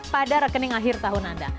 pada rekening akhir tahun anda